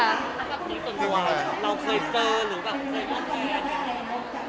แล้วคุณส่วนตัวอะไรเราเคยเจอหรือแบบใส่บางทีอาจารย์